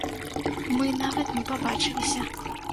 Мы нават не пабачыліся.